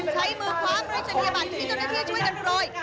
ใช้มือคว้าปริศนียบัตรที่เจ้าหน้าที่ช่วยกันโปรย